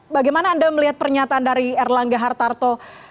bagaimana anda melihat pernyataan dari erlangga hartarto